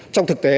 trong thực tế